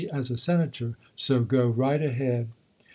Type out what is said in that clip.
as a senator, so go right ahead".